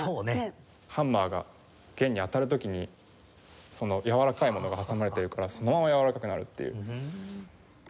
ハンマーが弦に当たる時にやわらかいものが挟まれてるからそのままやわらかくなるっていう。